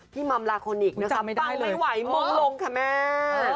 พี่มัมลาโคนิคปังไม่ไหวมองลงค่ะแม่